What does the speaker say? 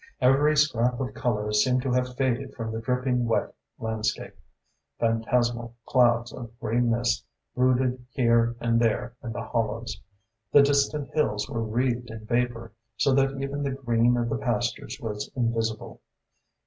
Every scrap of colour seemed to have faded from the dripping wet landscape. Phantasmal clouds of grey mist brooded here and there in the hollows. The distant hills were wreathed in vapour, so that even the green of the pastures was invisible.